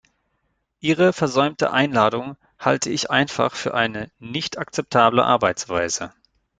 Ihre versäumte Einladung halte ich einfach für eine nicht akzeptable Arbeitsweise.